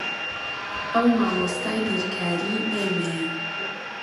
ئەو مامۆستای بیرکاریی ئێمەیە.